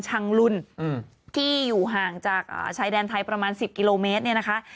ชังลุนที่อยู่ห่างจากชายแดนไทยประมาณ๑๐กิโลเมตรเนี่ยนะคะ